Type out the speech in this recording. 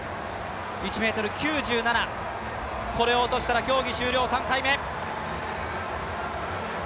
１ｍ９７、これを落としたら競技終了、３回目。